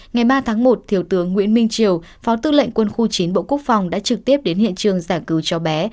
ngày ba tháng một thiếu tướng nguyễn minh triều phó tư lệnh quân khu chín bộ quốc phòng đã trực tiếp đến hiện trường giải cứu cháu bé